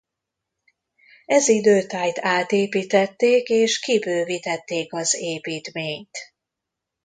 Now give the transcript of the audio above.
Ez idő tájt átépítették és kibővítették az építményt.